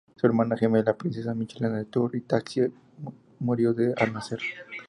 Su hermana gemela, Princesa Michaela de Thurn y Taxis, murió al nacer.